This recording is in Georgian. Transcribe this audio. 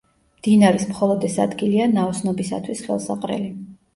მდინარის მხოლოდ ეს ადგილია ნაოსნობისათვის ხელსაყრელი.